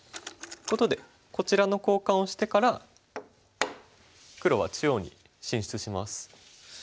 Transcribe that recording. ことでこちらの交換をしてから黒は中央に進出します。